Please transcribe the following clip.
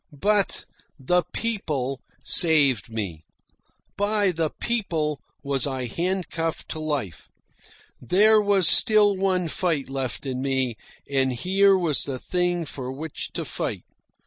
But the PEOPLE saved me. By the PEOPLE was I handcuffed to life. There was still one fight left in me, and here was the thing for which to fight.